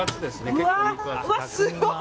うわ、すごい。